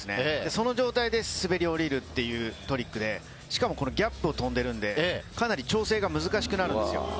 その状態で滑り降りるというトリックで、しかもギャップを飛んでいるんで、かなり調整が難しくなるんですよ。